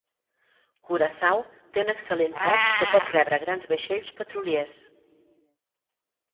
Curaçao té un excel·lent port que pot rebre grans vaixells petroliers.